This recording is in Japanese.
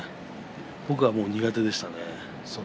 僕は苦手でしたね。